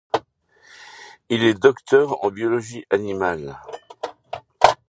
Il est docteur en biologie animale.